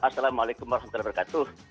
assalamualaikum warahmatullahi wabarakatuh